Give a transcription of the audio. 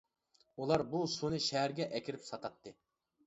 ئۇلار بۇ سۇنى شەھەرگە ئەكىرىپ ساتاتتى.